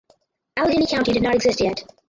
Alleghany County did not exist yet.